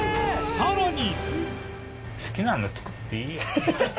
さらに